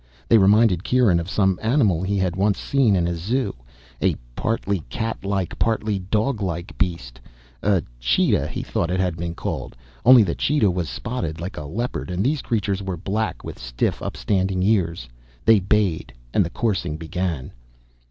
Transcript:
They reminded Kieran of some animal he had once seen in a zoo, a partly catlike, partly doglike beast, a cheetah he thought it had been called, only the cheetah was spotted like a leopard and these creatures were black, with stiff, upstanding ears. They bayed, and the coursing began.